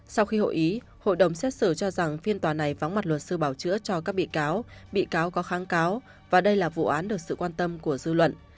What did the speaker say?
sau khi hội ý hội đồng xét xử cho rằng phiên tòa này phóng mặt luật sư bảo chữa cho các bị cáo bị cáo có kháng cáo và đây là vụ án được sự quan tâm của dư luận